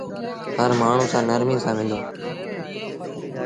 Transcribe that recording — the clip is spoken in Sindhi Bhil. هر مآڻهوٚݩ سآݩ نرمي سآݩ ملو۔